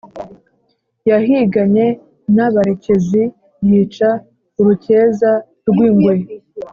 Yahiganye n’abarekezi Yica urukeza rw’ingwe